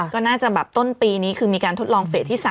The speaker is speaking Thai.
ก็น่าจะแบบต้นปีนี้คือมีการทดลองเฟสที่๓